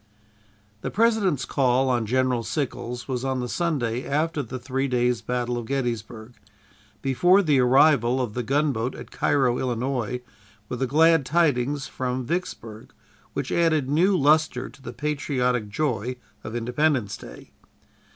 The President's call on General Sickles was on the Sunday after the three days' battle of Gettysburg, before the arrival of the gunboat at Cairo, Illinois, with the glad tidings from Vicksburg, which added new luster to the patriotic joy of Independence Day.